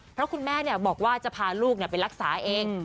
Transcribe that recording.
เพราะคุณแม่บอกว่าจะพาลูกไปรักษาเอง